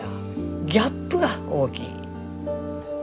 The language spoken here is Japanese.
ギャップが大きい。